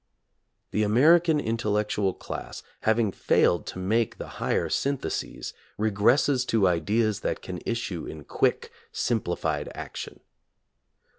The American intellectual class, having failed to make the higher syntheses, regresses to ideas that can issue in quick, simplified action.